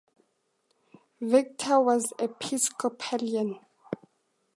Victor was Episcopalian.